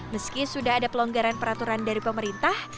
meski sudah ada pelonggaran peraturan dari pemerintah